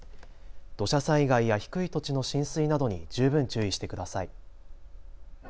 土砂災害や低い土地の浸水などに十分注意してください。